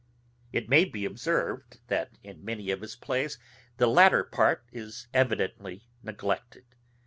It may be observed, that in many of his plays the latter part is evidently neglected.